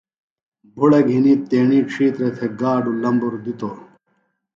بھُڑہ گِھنیۡ تیݨی ڇھیترہ تھےۡ گاڈو لمبر دِتوۡ۔